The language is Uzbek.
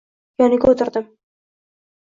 Yoniga o‘tirdim.